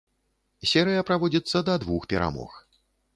Серыя праводзіцца да двух перамог.